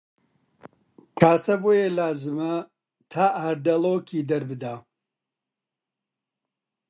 کاسە بۆیە لازمە تا ئاردەڵۆکی دەربدا